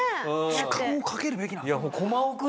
時間をかけるべき。